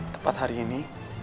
tepat hari ini